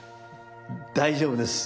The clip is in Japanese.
大丈夫です。